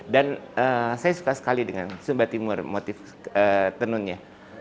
dan saya suka sekali dengan sumba timur motif tenunnya